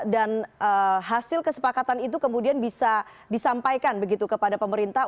dan hasil kesepakatan itu kemudian bisa disampaikan begitu kepada pemerintah